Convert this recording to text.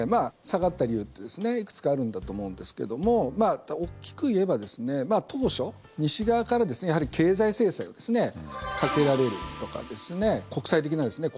下がった理由はいくつかあるんだと思うんですけども大きく言えば当初、西側から経済制裁をかけられるとかですね